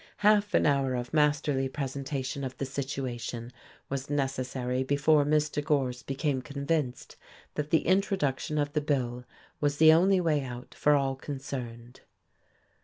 Half an hour of masterly presentation of the situation was necessary before Mr. Gorse became convinced that the introduction of the bill was the only way out for all concerned.